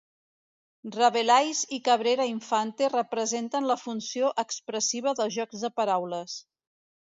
Rabelais i Cabrera Infante representen la funció expressiva dels jocs de paraules.